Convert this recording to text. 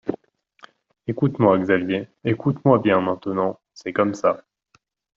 Écoute-moi, Xavier, écoute-moi bien maintenant. C’est comme ça.